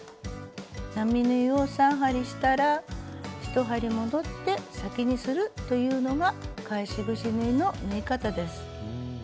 並縫いを３針したら１針戻って先にするというのが返しぐし縫いの縫い方です。